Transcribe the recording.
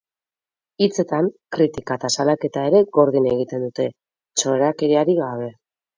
Hitzetan, kritika eta salaketa ere gordin egiten dute, txorakeriarik gabe.